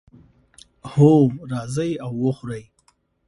هو، راځئ او وخورئ